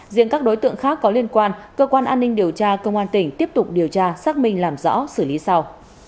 riêng các đối tượng khác có liên quan cơ quan an ninh điều tra công an tỉnh tiếp tục điều tra xác minh làm rõ xử lý sau